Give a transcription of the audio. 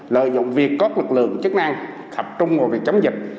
lợi dụng việc có lực lượng chức năng thập trung vào việc chống dịch